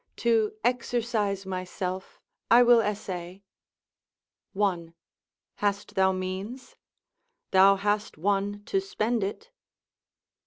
To exercise myself I will essay: 1. Hast thou means? thou hast one to spend it.